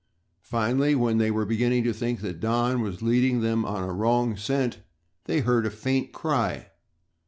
Finally, when they were beginning to think that Don was leading them on a wrong scent, they heard a faint cry.